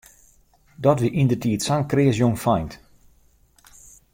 Dat wie yndertiid sa'n kreas jongfeint.